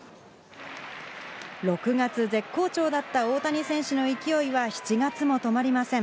６月、絶好調だった大谷選手の勢いは、７月も止まりません。